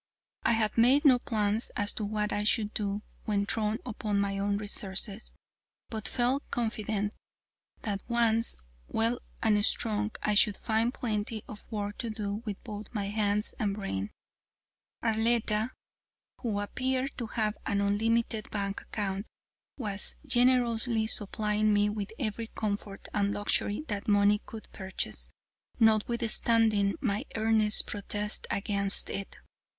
I had made no plans as to what I should do when thrown upon my own resources, but felt confident that once well and strong I should find plenty of work to do with both my hands and brain. Arletta, who appeared to have an unlimited bank account, was generously supplying me with every comfort and luxury that money could purchase, notwithstanding my earnest protests against it.